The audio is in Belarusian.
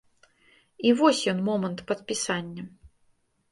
І вось ён момант падпісання.